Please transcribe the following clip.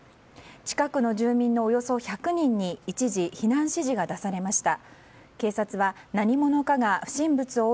近くの住民のおよそ１００人に一時避難指示が出されました。